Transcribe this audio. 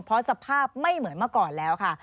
เพราะสภาพไม่เหมือนเมื่อก่อนแล้วค่ะ